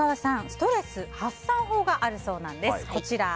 ストレス発散法があるそうです。